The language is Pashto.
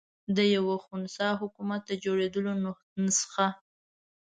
د یوه خنثی حکومت د جوړېدلو نسخه.